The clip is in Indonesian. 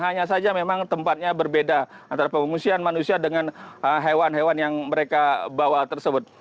hanya saja memang tempatnya berbeda antara pengungsian manusia dengan hewan hewan yang mereka bawa tersebut